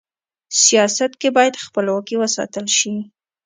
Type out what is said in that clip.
سیاست کي بايد خپلواکي و ساتل سي.